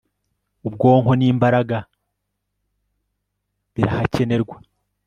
ubwonko n'imbaraga birahakenerwa